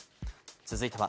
続いては。